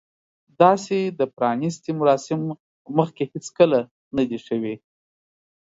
داسې د پرانیستې مراسم مخکې هیڅکله نه دي شوي.